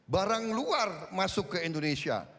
barang luar masuk ke indonesia